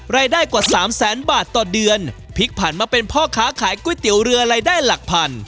รายได้กว่าสามแสนบาทต่อเดือนพลิกผ่านมาเป็นพ่อค้าขายก๋วยเตี๋ยวเรือรายได้หลักพัน